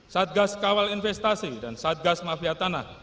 satgas kawal investasi dan satgas mafia tanah